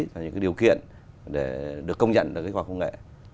và những cái điều kiện để được công nhận được cái khoa học công nghệ